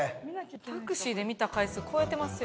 タクシーで見た回数超えてますよ。